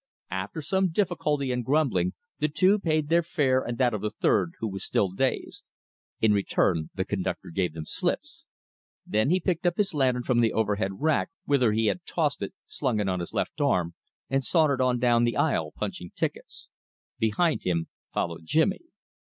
After some difficulty and grumbling, the two paid their fare and that of the third, who was still dazed. In return the conductor gave them slips. Then he picked his lantern from the overhead rack whither he had tossed it, slung it on his left arm, and sauntered on down the aisle punching tickets. Behind him followed Jimmy.